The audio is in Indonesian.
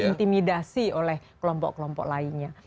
intimidasi oleh kelompok kelompok lainnya